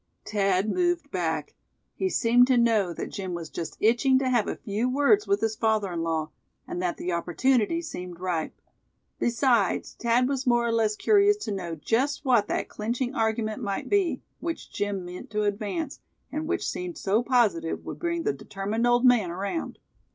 Thad moved back. He seemed to know that Jim was just itching to have a few words with his father in law; and that the opportunity seemed ripe. Besides, Thad was more or less curious to know just what that clinching argument might be, which Jim meant to advance, and which he seemed so positive would bring the determined old man around.